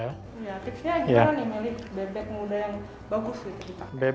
tipsnya gimana nih meli bebek muda yang bagus gitu